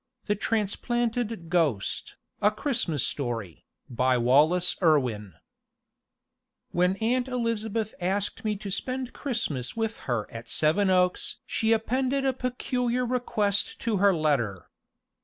The Transplanted Ghost A CHRISTMAS STORY BY WALLACE IRWIN When Aunt Elizabeth asked me to spend Christmas with her at Seven Oaks she appended a peculiar request to her letter.